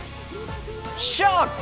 ショック！